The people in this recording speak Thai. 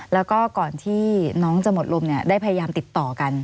แล้วก็ก่อนที่น้องจะหมดลมได้พยายามติดต่อกัน